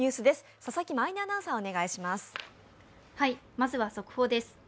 まずは速報です。